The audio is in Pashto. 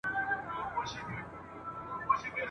له دې شاړو وچو مځکو بیا غاټول را زرغونیږي !.